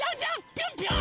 ぴょんぴょん！